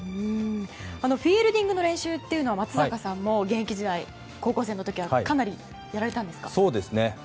フィールディングの練習っていうのは松坂さんも現役時代高校生の時はかなりやられたんですか？